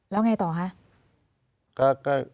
แล้วอย่างไรต่อคะ